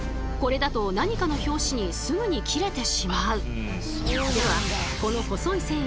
これだと何かの拍子にすぐに切れてしまう。